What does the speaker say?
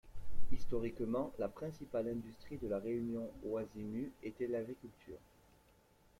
Historiquement, la principale industrie de la région Ōizumi était l'agriculture.